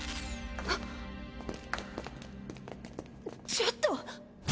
ちょっと！